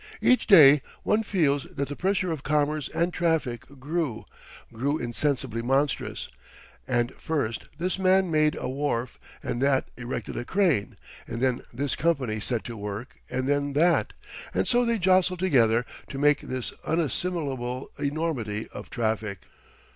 Each day one feels that the pressure of commerce and traffic grew, grew insensibly monstrous, and first this man made a wharf and that erected a crane, and then this company set to work and then that, and so they jostled together to make this unassimilable enormity of traffic.